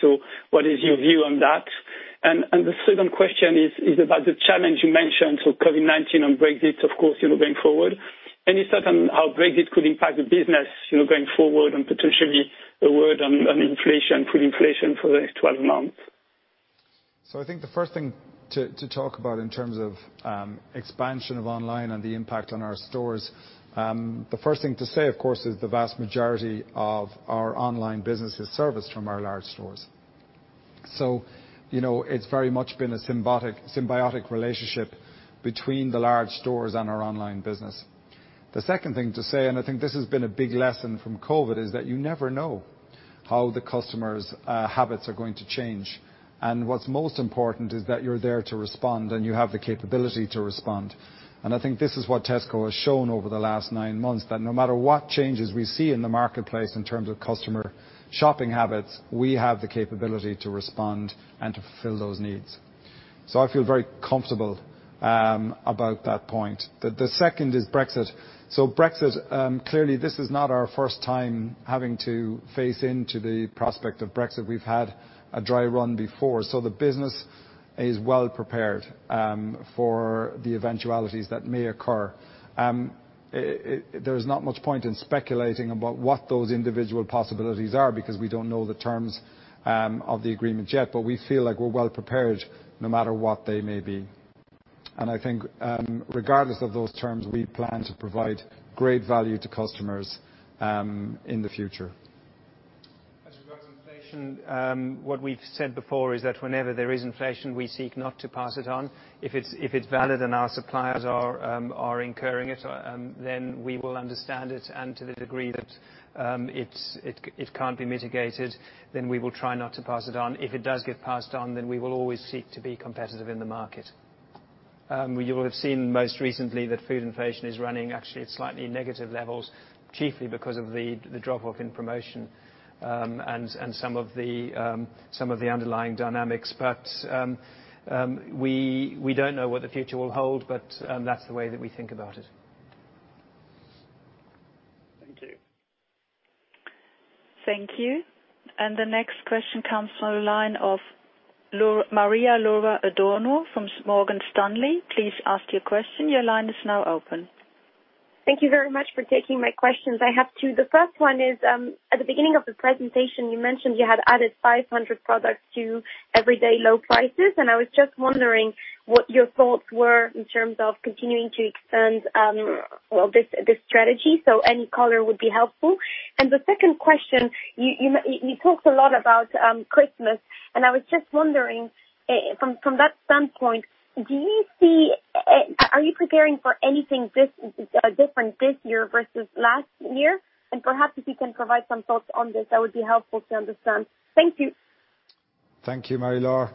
What is your view on that? The second question is about the challenge you mentioned, COVID-19 and Brexit, of course, going forward. Any thought on how Brexit could impact the business going forward and potentially a word on inflation, food inflation for the next 12 months? I think the first thing to talk about in terms of expansion of online and the impact on our stores, the first thing to say, of course, is the vast majority of our online business is serviced from our large stores. It is very much been a symbiotic relationship between the large stores and our online business. The second thing to say, and I think this has been a big lesson from COVID-19, is that you never know how the customers' habits are going to change. What's most important is that you're there to respond, and you have the capability to respond. I think this is what Tesco has shown over the last nine months, that no matter what changes we see in the marketplace in terms of customer shopping habits, we have the capability to respond and to fulfill those needs. I feel very comfortable about that point. The second is Brexit. Brexit, clearly, this is not our first time having to face into the prospect of Brexit. We've had a dry run before. The business is well prepared for the eventualities that may occur. There's not much point in speculating about what those individual possibilities are because we don't know the terms of the agreement yet. We feel like we're well prepared no matter what they may be. I think regardless of those terms, we plan to provide great value to customers in the future. As regards inflation, what we've said before is that whenever there is inflation, we seek not to pass it on. If it's valid and our suppliers are incurring it, then we will understand it. To the degree that it can't be mitigated, we will try not to pass it on. If it does get passed on, we will always seek to be competitive in the market. You will have seen most recently that food inflation is running, actually, at slightly negative levels, chiefly because of the drop-off in promotion and some of the underlying dynamics. We don't know what the future will hold, but that's the way that we think about it. Thank you. Thank you. The next question comes from the line of Maria Laurae Adurno from Morgan Stanley. Please ask your question. Your line is now open. Thank you very much for taking my questions. I have two. The first one is, at the beginning of the presentation, you mentioned you had added 500 products to everyday low prices. I was just wondering what your thoughts were in terms of continuing to extend this strategy. Any color would be helpful. The second question, you talked a lot about Christmas. I was just wondering, from that standpoint, are you preparing for anything different this year versus last year? Perhaps if you can provide some thoughts on this, that would be helpful to understand. Thank you. Thank you, Marie Lowrey.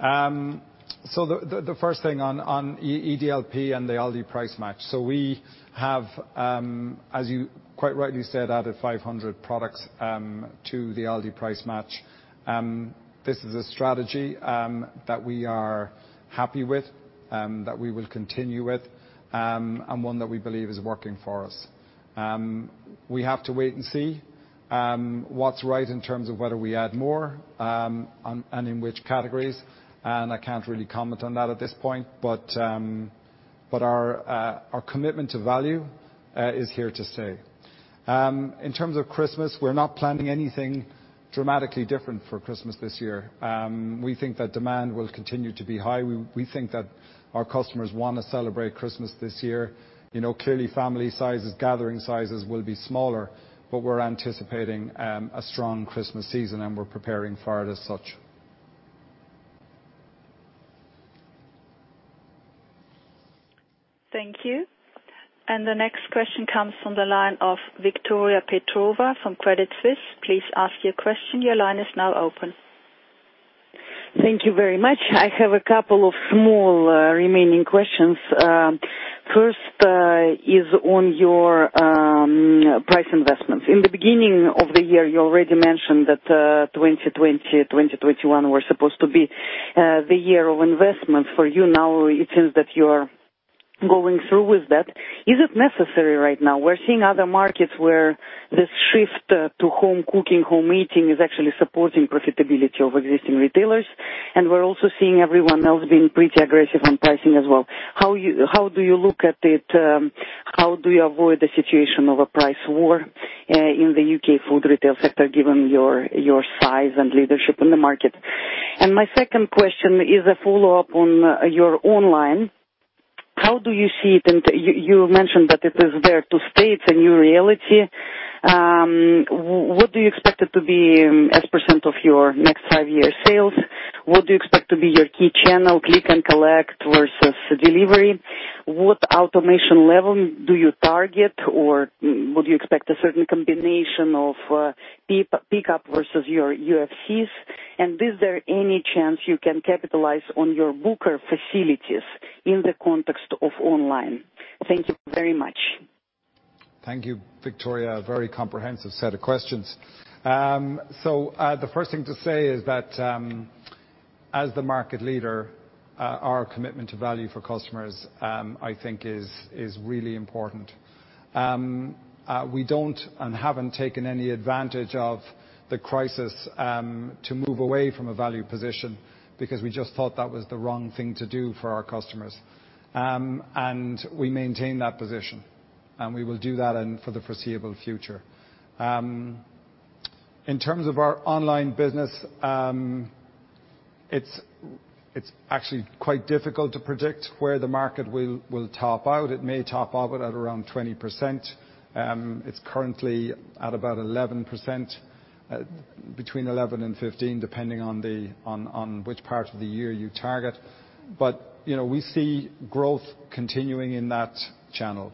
The first thing on EDLP and the Aldi Price Match. We have, as you quite rightly said, added 500 products to the Aldi Price Match. This is a strategy that we are happy with, that we will continue with, and one that we believe is working for us. We have to wait and see what is right in terms of whether we add more and in which categories. I cannot really comment on that at this point. Our commitment to value is here to stay. In terms of Christmas, we are not planning anything dramatically different for Christmas this year. We think that demand will continue to be high. We think that our customers want to celebrate Christmas this year. Clearly, family sizes, gathering sizes will be smaller, but we are anticipating a strong Christmas season, and we are preparing for it as such. Thank you. The next question comes from the line of Victoria Petrova from Credit Suisse. Please ask your question. Your line is now open. Thank you very much. I have a couple of small remaining questions. First is on your price investments. In the beginning of the year, you already mentioned that 2020, 2021 were supposed to be the year of investments. For you, now it seems that you are going through with that. Is it necessary right now? We're seeing other markets where this shift to home cooking, home eating is actually supporting profitability of existing retailers. We're also seeing everyone else being pretty aggressive on pricing as well. How do you look at it? How do you avoid the situation of a price war in the U.K. food retail sector, given your size and leadership in the market? My second question is a follow-up on your online. How do you see it? You mentioned that it is there to stay. It's a new reality. What do you expect it to be as % of your next five-year sales? What do you expect to be your key channel, click and collect versus delivery? What automation level do you target, or would you expect a certain combination of pickup versus your UFCs? Is there any chance you can capitalize on your Booker facilities in the context of online? Thank you very much. Thank you, Victoria. A very comprehensive set of questions. The first thing to say is that, as the market leader, our commitment to value for customers, I think, is really important. We do not and have not taken any advantage of the crisis to move away from a value position because we just thought that was the wrong thing to do for our customers. We maintain that position. We will do that for the foreseeable future. In terms of our online business, it is actually quite difficult to predict where the market will top out. It may top out at around 20%. It is currently at about 11%, between 11 and 15, depending on which part of the year you target. We see growth continuing in that channel.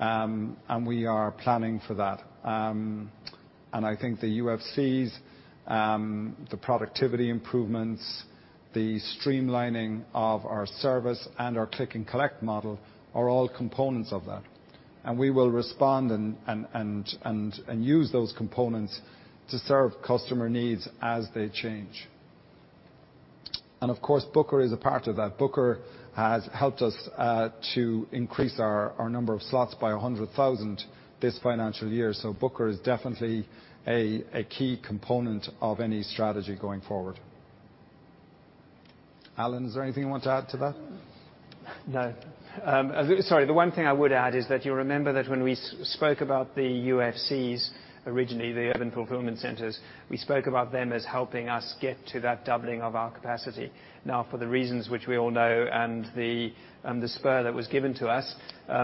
We are planning for that. I think the UFCs, the productivity improvements, the streamlining of our service and our click and collect model are all components of that. We will respond and use those components to serve customer needs as they change. Of course, Booker is a part of that. Booker has helped us to increase our number of slots by 100,000 this financial year. Booker is definitely a key component of any strategy going forward. Alan, is there anything you want to add to that? No. Sorry. The one thing I would add is that you remember that when we spoke about the UFCs originally, the Urban Fulfillment Centers, we spoke about them as helping us get to that doubling of our capacity. Now, for the reasons which we all know and the spur that was given to us,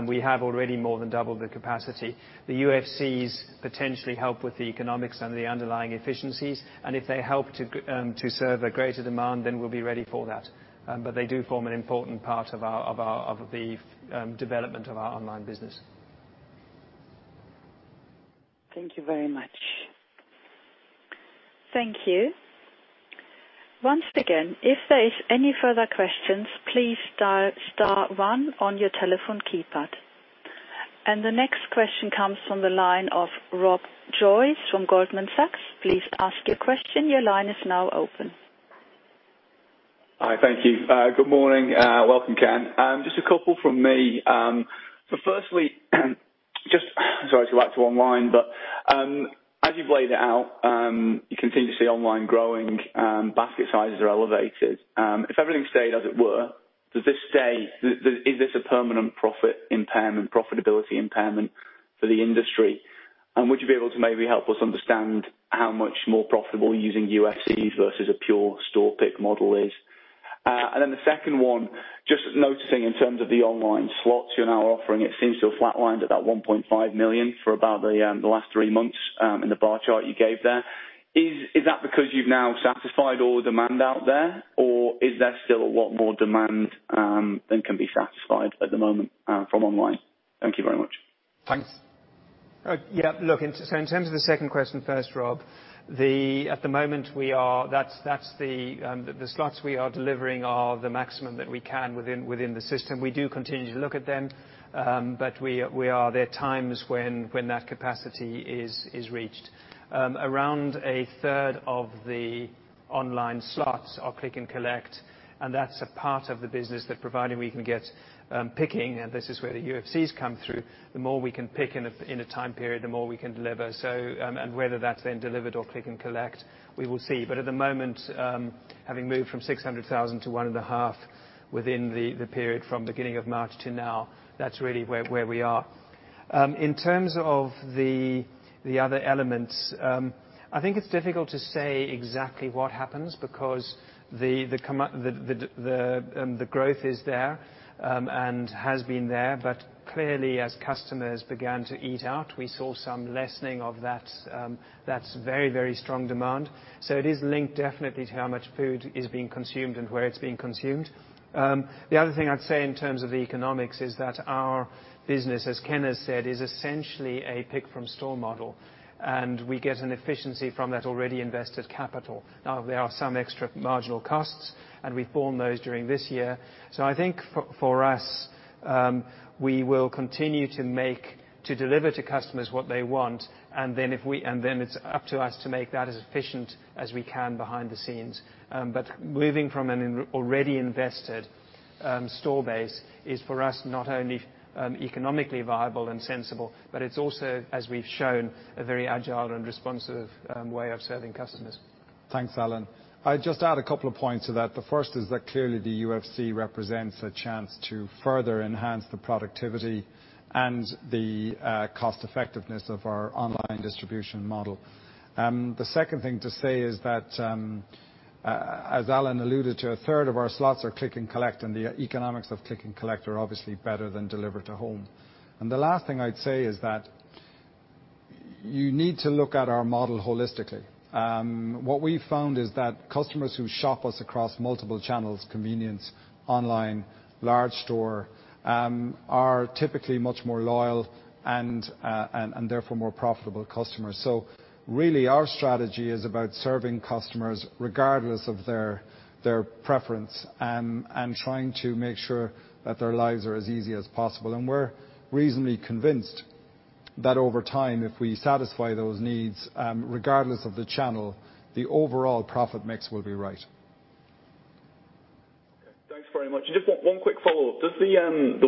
we have already more than doubled the capacity. The UFCs potentially help with the economics and the underlying efficiencies. If they help to serve a greater demand, then we'll be ready for that. They do form an important part of the development of our online business. Thank you very much. Thank you. Once again, if there are any further questions, please press star one on your telephone keypad. The next question comes from the line of Rob Joyce from Goldman Sachs. Please ask your question. Your line is now open. Hi. Thank you. Good morning. Welcome, Ken. Just a couple from me. Firstly, just sorry to go back to online. As you have laid it out, you continue to see online growing. Basket sizes are elevated. If everything stayed as it were, does this stay? Is this a permanent profit impairment, profitability impairment for the industry? Would you be able to maybe help us understand how much more profitable using UFCs versus a pure store pick model is? The second one, just noticing in terms of the online slots you are now offering, it seems to have flatlined at that 1.5 million for about the last three months in the bar chart you gave there. Is that because you have now satisfied all the demand out there, or is there still a lot more demand than can be satisfied at the moment from online? Thank you very much. Thanks. Yeah. Look, in terms of the second question first, Rob, at the moment, the slots we are delivering are the maximum that we can within the system. We do continue to look at them, but there are times when that capacity is reached. Around a third of the online slots are click and collect. That is a part of the business that, providing we can get picking, and this is where the UFCs come through. The more we can pick in a time period, the more we can deliver. Whether that is then delivered or click and collect, we will see. At the moment, having moved from 600,000 to 1.5 million within the period from beginning of March to now, that is really where we are. In terms of the other elements, I think it's difficult to say exactly what happens because the growth is there and has been there. Clearly, as customers began to eat out, we saw some lessening of that very, very strong demand. It is linked definitely to how much food is being consumed and where it's being consumed. The other thing I'd say in terms of the economics is that our business, as Ken has said, is essentially a pick from store model. We get an efficiency from that already invested capital. Now, there are some extra marginal costs, and we've borne those during this year. I think for us, we will continue to deliver to customers what they want. It is up to us to make that as efficient as we can behind the scenes. Moving from an already invested store base is, for us, not only economically viable and sensible, but it's also, as we've shown, a very agile and responsive way of serving customers. Thanks, Alan. I'd just add a couple of points to that. The first is that clearly the UFC represents a chance to further enhance the productivity and the cost-effectiveness of our online distribution model. The second thing to say is that, as Alan alluded to, a third of our slots are click and collect. The economics of click and collect are obviously better than deliver to home. The last thing I'd say is that you need to look at our model holistically. What we've found is that customers who shop us across multiple channels, convenience, online, large store, are typically much more loyal and therefore more profitable customers. Really, our strategy is about serving customers regardless of their preference and trying to make sure that their lives are as easy as possible. We are reasonably convinced that over time, if we satisfy those needs, regardless of the channel, the overall profit mix will be right. Okay. Thanks very much. Just one quick follow-up. Does the 1.50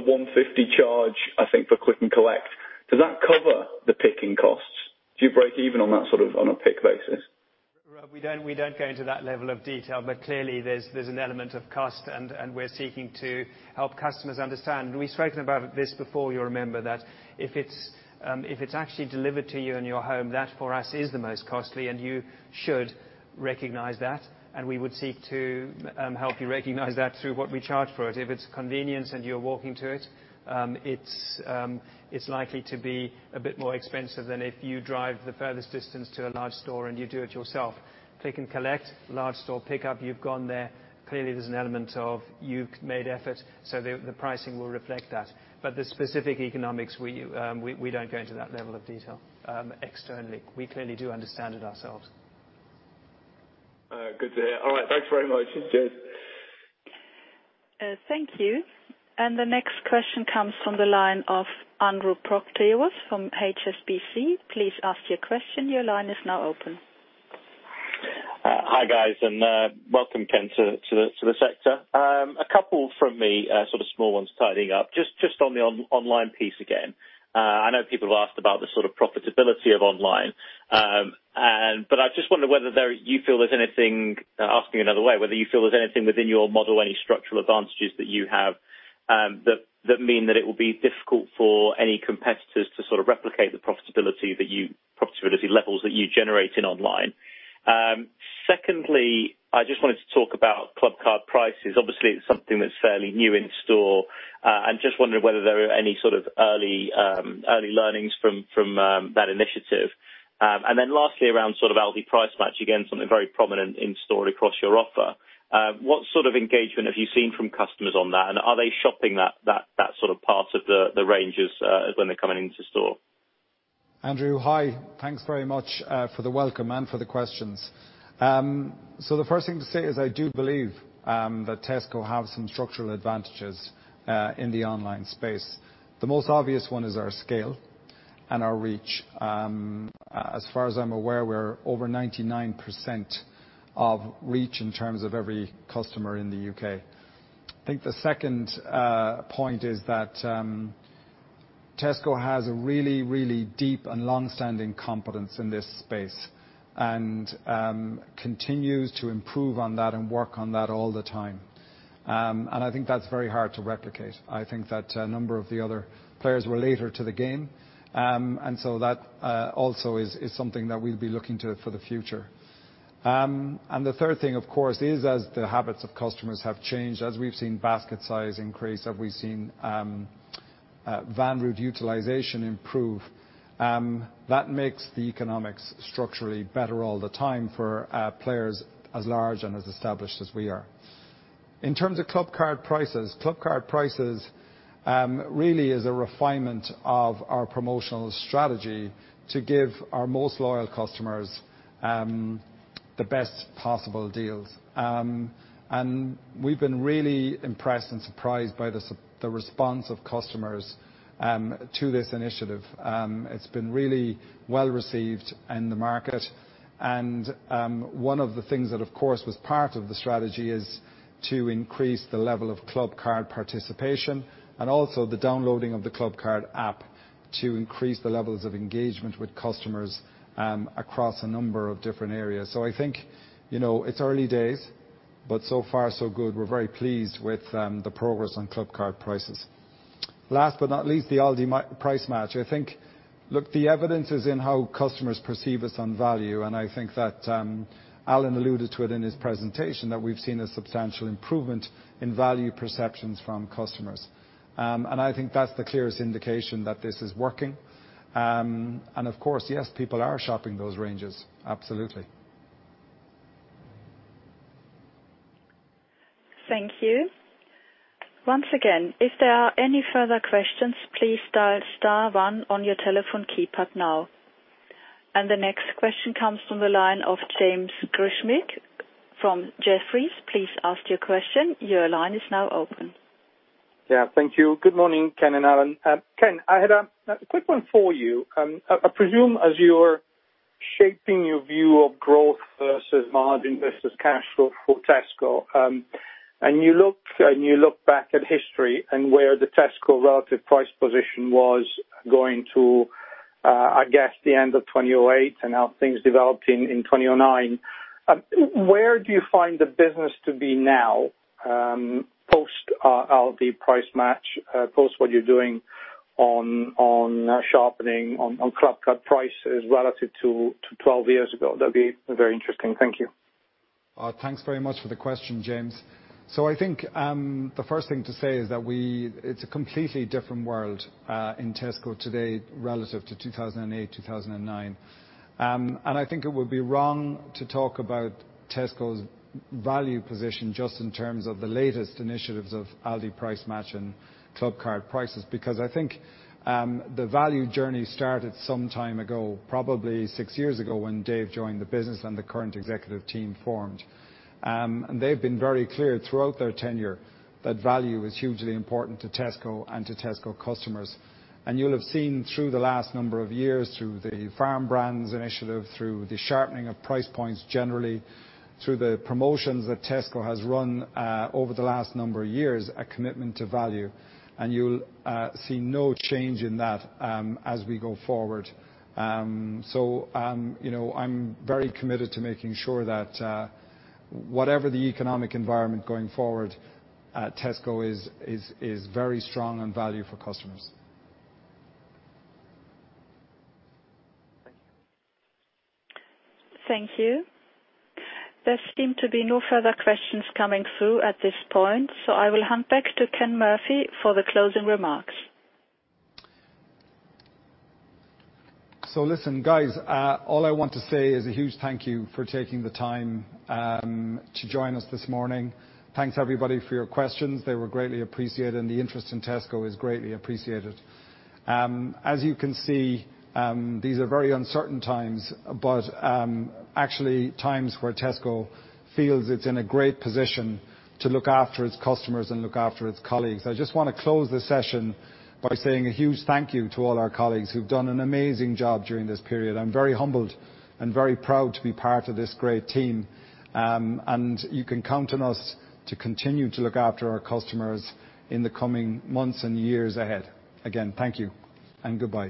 charge, I think, for click-and-collect, does that cover the picking costs? Do you break even on that sort of on a pick basis? Rob, we don't go into that level of detail. Clearly, there's an element of cost, and we're seeking to help customers understand. We've spoken about this before. You'll remember that if it's actually delivered to you in your home, that for us is the most costly. You should recognize that. We would seek to help you recognize that through what we charge for it. If it's convenience and you're walking to it, it's likely to be a bit more expensive than if you drive the furthest distance to a large store and you do it yourself. Click-and-Collect, large store pickup, you've gone there. Clearly, there's an element of you've made effort. The pricing will reflect that. The specific economics, we don't go into that level of detail externally. We clearly do understand it ourselves. Good to hear. All right. Thanks very much. Cheers. Thank you. The next question comes from the line of Andrew Proctor from HSBC. Please ask your question. Your line is now open. Hi, guys. Welcome, Ken, to the sector. A couple from me, sort of small ones tidying up. Just on the online piece again. I know people have asked about the sort of profitability of online. I just wondered whether you feel there's anything, asking in another way, whether you feel there's anything within your model, any structural advantages that you have that mean that it will be difficult for any competitors to sort of replicate the profitability levels that you generate in online. Secondly, I just wanted to talk about Clubcard Prices. Obviously, it's something that's fairly new in store. Just wondering whether there are any sort of early learnings from that initiative. Lastly, around sort of Aldi Price Match, again, something very prominent in store across your offer. What sort of engagement have you seen from customers on that? Are they shopping that sort of part of the ranges when they're coming into store? Andrew, hi. Thanks very much for the welcome and for the questions. The first thing to say is I do believe that Tesco have some structural advantages in the online space. The most obvious one is our scale and our reach. As far as I'm aware, we're over 99% of reach in terms of every customer in the U.K. I think the second point is that Tesco has a really, really deep and long-standing competence in this space and continues to improve on that and work on that all the time. I think that's very hard to replicate. I think that a number of the other players were later to the game. That also is something that we'll be looking to for the future. The third thing, of course, is as the habits of customers have changed, as we've seen basket size increase, as we've seen van route utilization improve, that makes the economics structurally better all the time for players as large and as established as we are. In terms of Clubcard Prices, Clubcard Prices really is a refinement of our promotional strategy to give our most loyal customers the best possible deals. We've been really impressed and surprised by the response of customers to this initiative. It's been really well received in the market. One of the things that, of course, was part of the strategy is to increase the level of Clubcard participation and also the downloading of the Clubcard app to increase the levels of engagement with customers across a number of different areas. I think it's early days, but so far, so good. We're very pleased with the progress on Clubcard Prices. Last but not least, the Aldi Price Match. I think, look, the evidence is in how customers perceive us on value. I think that Alan alluded to it in his presentation that we've seen a substantial improvement in value perceptions from customers. I think that's the clearest indication that this is working. Of course, yes, people are shopping those ranges. Absolutely. Thank you. Once again, if there are any further questions, please star one on your telephone keypad now. The next question comes from the line of James Pearse from Jefferies. Please ask your question. Your line is now open. Yeah. Thank you. Good morning, Ken and Alan. Ken, I had a quick one for you. I presume as you're shaping your view of growth versus margin versus cash flow for Tesco, and you look back at history and where the Tesco relative price position was going to, I guess, the end of 2008 and how things developed in 2009, where do you find the business to be now post Aldi Price Match, post what you're doing on sharpening on Clubcard Prices relative to 12 years ago? That'd be very interesting. Thank you. Thanks very much for the question, James. I think the first thing to say is that it's a completely different world in Tesco today relative to 2008, 2009. I think it would be wrong to talk about Tesco's value position just in terms of the latest initiatives of Aldi Price Match and Clubcard Prices because I think the value journey started some time ago, probably six years ago when Dave joined the business and the current executive team formed. They have been very clear throughout their tenure that value is hugely important to Tesco and to Tesco customers. You will have seen through the last number of years, through the farm brands initiative, through the sharpening of price points generally, through the promotions that Tesco has run over the last number of years, a commitment to value. You'll see no change in that as we go forward. I'm very committed to making sure that whatever the economic environment going forward, Tesco is very strong on value for customers. Thank you. There seem to be no further questions coming through at this point. I will hand back to Ken Murphy for the closing remarks. Listen, guys, all I want to say is a huge thank you for taking the time to join us this morning. Thanks, everybody, for your questions. They were greatly appreciated. The interest in Tesco is greatly appreciated. As you can see, these are very uncertain times, but actually times where Tesco feels it's in a great position to look after its customers and look after its colleagues. I just want to close the session by saying a huge thank you to all our colleagues who've done an amazing job during this period. I'm very humbled and very proud to be part of this great team. You can count on us to continue to look after our customers in the coming months and years ahead. Again, thank you and goodbye.